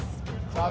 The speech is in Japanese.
さあ